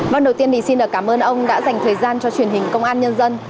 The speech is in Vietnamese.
vâng đầu tiên thì xin được cảm ơn ông đã dành thời gian cho truyền hình công an nhân dân